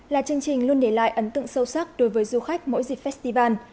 là chương trình luôn để lại ấn tượng sâu sắc đối với du khách mỗi dịp festival